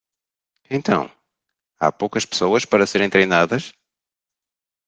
Então, há poucas pessoas para serem treinadas?